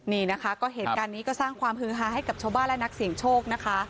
นี่นะคะก็เหตุการณ์นี้ก็สร้างความฮือฮาให้กับชาวบ้านและนักเสี่ยงโชคนะคะ